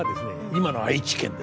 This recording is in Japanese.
今の愛知県ですね